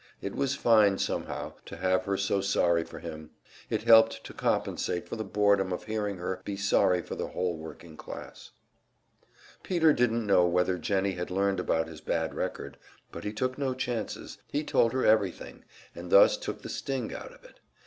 It was fine, somehow, to have her so sorry for him; it helped to compensate him for the boredom of hearing her be sorry for the whole working class. Peter didn't know whether Jennie had learned about his bad record, but he took no chances he told her everything, and thus took the sting out of it.